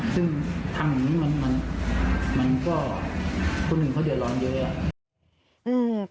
ซึ่งทำอย่างนี้มันก็คนอื่นเขาเดือดร้อนเยอะ